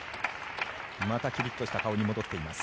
またキリッとした顔に戻っています。